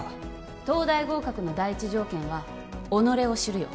東大合格の第一条件は己を知るよ